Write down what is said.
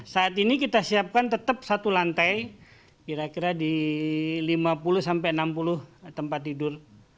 saat ini kita siapkan tetap satu lantai kira kira di lima puluh sampai enam puluh tempat tidur